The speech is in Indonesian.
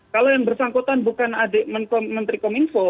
kalau yang bersangkutan bukan adik menteri kominfo